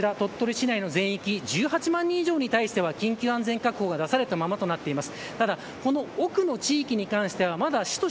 今も、鳥取市内の全域１８万人以上に対して緊急安全確保が出されたままとなっています。